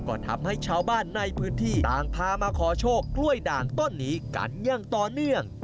ก็ทำให้ชาวบ้านในพื้นที่ต่างพามาขอโชคกล้วยด่างต้นนี้กันอย่างต่อเนื่อง